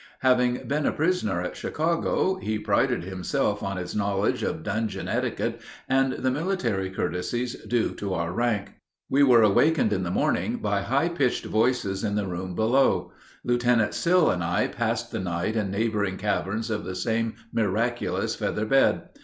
Having been a prisoner at Chicago, he prided himself on his knowledge of dungeon etiquette and the military courtesies due to our rank. We were awakened in the morning by high pitched voices in the room below. Lieutenant Sill and I had passed the night in neighboring caverns of the same miraculous feather bed.